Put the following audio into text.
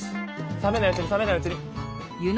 冷めないうちに冷めないうちに。